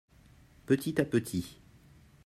petit à petit.